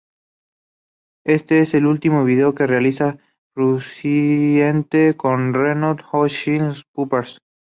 Este es el último video que realiza Frusciante con Red Hot Chili Peppers.